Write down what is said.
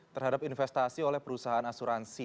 terhadap investasi oleh perusahaan asuransi